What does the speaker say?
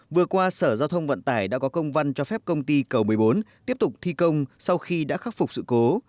vừa qua sở giao thông vận tải đã có công văn cho phép công ty cầu một mươi bốn tiếp tục thi công sau khi đã khắc phục sự cố